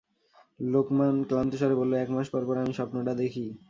লোকমান ক্লান্ত স্বরে বলল, এক মাস পরপর আমি স্বপ্নটা দেখি।